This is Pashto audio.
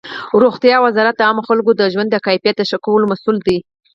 روغتیا وزارت د عامو خلکو د ژوند د کیفیت د ښه کولو مسؤل دی.